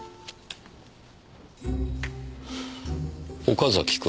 岡崎君。